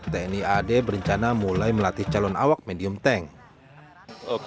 tni ad berencana mulai melatih calon awak medium tank